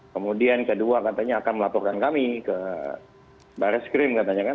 kemudian kedua katanya akan melaporkan kami ke baris krim katanya kan